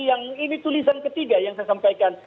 yang ini tulisan ketiga yang saya sampaikan